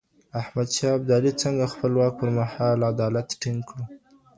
احمد شاه ابدالي څنګه د خپل واک پر مهال عدالت ټينګ کړ؟